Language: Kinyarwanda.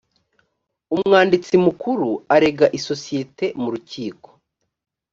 umwanditsi mukuru arega isosiyete mu rukiko